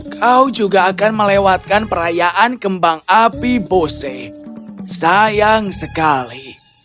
kau juga akan melewatkan perayaan kembang api bose sayang sekali